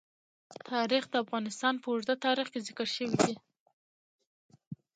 تاریخ د افغانستان په اوږده تاریخ کې ذکر شوی دی.